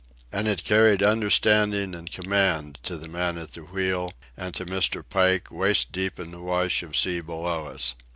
And it carried understanding and command to the man at the wheel, and to Mr. Pike, waist deep in the wash of sea below us.